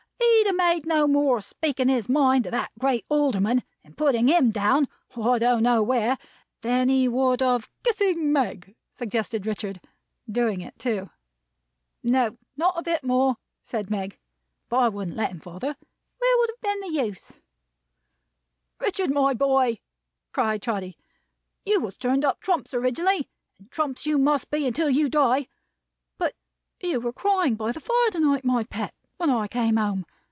He'd have made no more of speaking his mind to that great Alderman, and putting him down I don't know where, than he would of "" Kissing Meg," suggested Richard. Doing it, too. "No. Not a bit more," said Meg. "But I wouldn't let him, father. Where would have been the use?" "Richard, my boy!" cried Trotty. "You was turned up Trumps originally, and Trumps you must be until you die! But you were crying by the fire to night, my pet, when I came home.